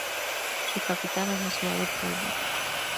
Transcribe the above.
Su capital es la ciudad de Põlva.